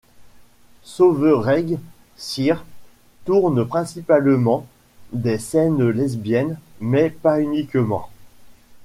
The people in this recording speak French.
Sovereign Syre tourne principalement des scènes lesbiennes mais pas uniquement.